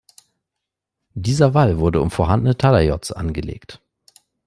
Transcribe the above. Dieser Wall wurde um vorhandene Talayots angelegt.